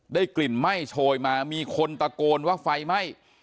กลิ่นไหม้โชยมามีคนตะโกนว่าไฟไหม้